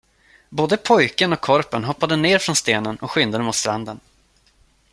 Både pojken och korpen hoppade ner från stenen och skyndade mot stranden.